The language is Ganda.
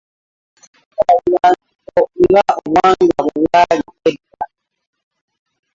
abawala tebakyakyalira nsiko nga obuwangwa bwe bwali edda